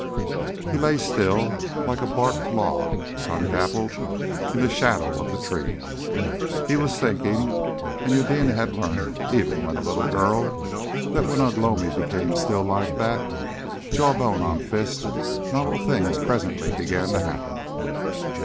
He lay still, like a barked log, sun dappled, in the shadow of the trees. He was thinking. And Eudena had learnt, even when a little girl, that when Ugh lomi became still like that, jaw bone on fist, novel things presently began to happen.